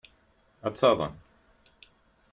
Ad taḍen.